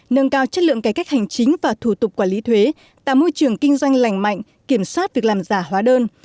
nâng cao chất lượng cải cách hành chính và thủ tục quản lý thuế tạo môi trường kinh doanh lành mạnh kiểm soát việc làm giả hóa đơn